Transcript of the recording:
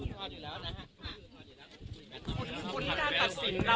สวัสดีครับ